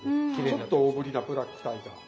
ちょっと大ぶりなブラックタイガー。